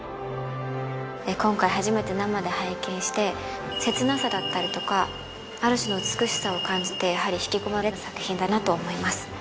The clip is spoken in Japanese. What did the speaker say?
今回初めて生で拝見して切なさだったりとかある種の美しさを感じてやはり引き込まれる作品だなと思います